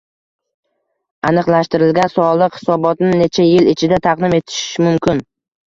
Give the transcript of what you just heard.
Aniqlashtirilgan soliq hisobotini necha yil ichida taqdim etish mumkin?